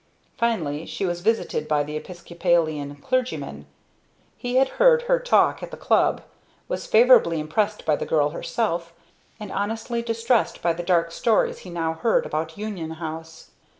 Finally she was visited by the Episcopalian clergyman. He had heard her talk at the Club, was favorably impressed by the girl herself, and honestly distressed by the dark stories he now heard about Union House.